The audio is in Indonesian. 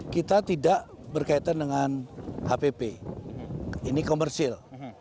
kita tidak berkaitan dengan hpp ini komersil